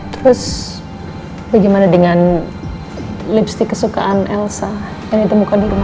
terus bagaimana dengan lipstick kesukaan elsa yang ditemukan di rumah